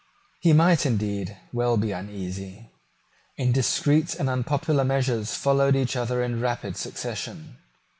He might, indeed, well be uneasy. Indiscreet and unpopular measures followed each other in rapid succession.